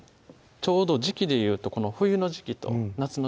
ちょうど時季でいうとこの冬の時季と夏の時季